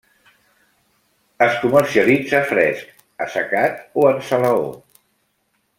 Es comercialitza fresc, assecat o en salaó.